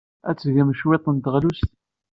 Ad d-tgem cwiṭ n teɣlust.